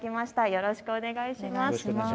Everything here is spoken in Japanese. よろしくお願いします。